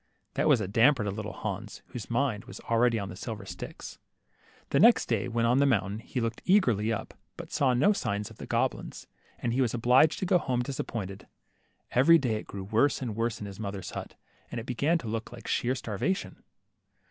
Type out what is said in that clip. That was a damper to Little Hans, whose mind was already on the silver sticks. The next day, when on the mountain, he looked eagerly up, but saw no signs of the goblins, and was obliged to go home disap pointed. Every day it grew worse and worse in his mother's hut, .and it began to look like sheer starva tion.